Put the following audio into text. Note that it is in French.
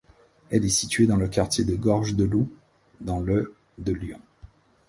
Elle est située dans le quartier de Gorge de Loup, dans le de Lyon.